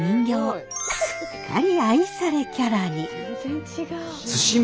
すっかり愛されキャラに。